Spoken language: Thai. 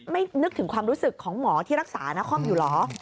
นึกถึงความรู้สึกของหมอที่รักษานครอยู่เหรอ